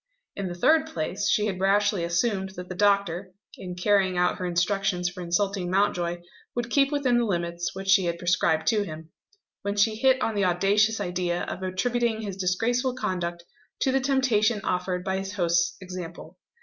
In the third place, she had rashly assumed that the doctor, in carrying out her instructions for insulting Mountjoy, would keep within the limits which she had prescribed to him, when she hit on the audacious idea of attributing his disgraceful conduct to the temptation offered by his host's example.